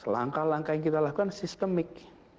langkah langkah yang kita lakukan sistemik